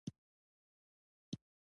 دښمني لاس واخلي او ملګری شي.